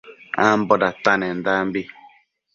Ambo datanendanbi